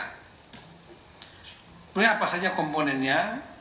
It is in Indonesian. sebenarnya apa saja komponennya